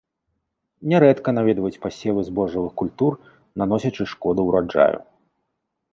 Нярэдка наведваюць пасевы збожжавых культур, наносячы шкоду ўраджаю.